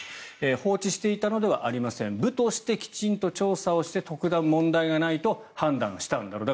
放置していたのではありません部としてきちんと調査をして特段問題がないと判断したんだろうと。